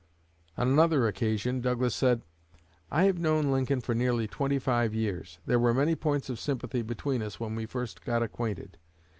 On another occasion, Douglas said: "I have known Lincoln for nearly twenty five years. There were many points of sympathy between us when we first got acquainted.